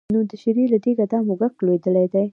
نو د شېرې له دېګه دا موږک لوېدلی دی.